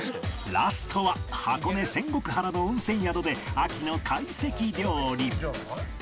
ラストは箱根仙石原の温泉宿で秋の懐石料理